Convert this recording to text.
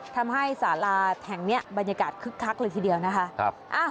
ทำให้สาราแห่งนี้บรรยากาศคึกคักเลยทีเดียวนะคะ